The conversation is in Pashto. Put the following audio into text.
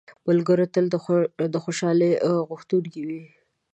ملګری تل د خوشحالۍ غوښتونکی وي